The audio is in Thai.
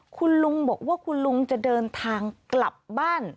คุณลุงบอกว่าคุณลุงจะเดินทางกลับบ้าน